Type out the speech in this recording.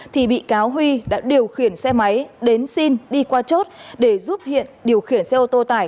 thì bị cáo huy đã điều khiển xe máy đến xin đi qua chốt để giúp hiện điều khiển xe ô tô tải